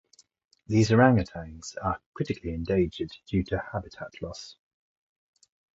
These orang-utans are critically endangered due to habitat loss.